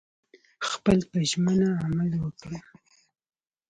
خپل په ژمنه عمل وکړه